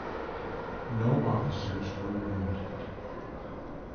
No officers were wounded.